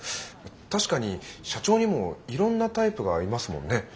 確かに社長にもいろんなタイプがいますもんね。